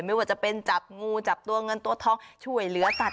ไม่ว่าจะเป็นจับงูจับตัวเงินตัวทองช่วยเหลือสัตว